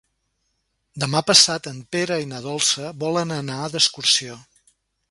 Demà passat en Pere i na Dolça volen anar d'excursió.